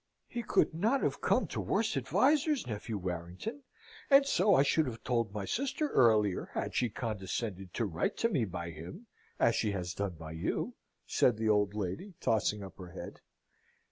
"He could not have come to worse advisers, nephew Warrington, and so I should have told my sister earlier, had she condescended to write to me by him, as she has done by you," said the old lady, tossing up her head.